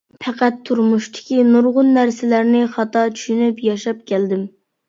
پەقەت تۇرمۇشتىكى نۇرغۇن نەرسىلەرنى خاتا چۈشىنىپ ياشاپ كەلدىم.